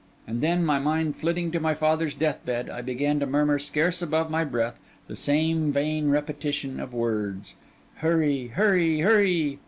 And then, my mind flitting to my father's deathbed, I began to murmur, scarce above my breath, the same vain repetition of words, 'Hurry, hurry, hurry.